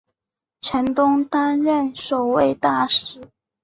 陈东担任首位大使。